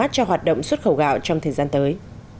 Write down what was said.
cho hoạt động xuất khẩu gạo trong thời gian tới